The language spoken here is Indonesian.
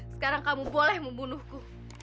sekarang kamu boleh membunuhku